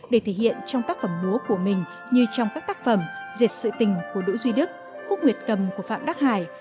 để thể hiện trong tác phẩm múa của mình như trong các tác phẩm diệt sự tình của đỗ duy đức khúc nguyệt cầm của phạm đắc hải